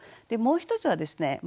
でもう一つはですね